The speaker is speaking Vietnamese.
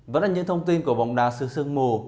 vẫn là những thông tin của bóng đá sự sương mù